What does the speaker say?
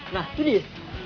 nah itu dia